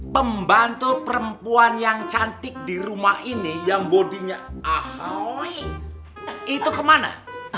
pembantu perempuan yang cantik di rumah ini yang bodinya ahoy itu kemana